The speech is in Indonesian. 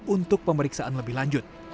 untuk pemeriksaan lebih lanjut